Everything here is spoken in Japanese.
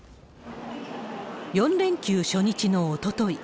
４連休初日のおととい。